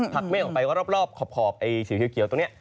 เมฆออกไปรอบขอบไอ้สีเขียวตรงนี้